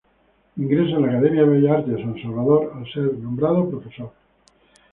Ingresa en la Academia de Bellas Artes de San Salvador al ser nombrado profesor.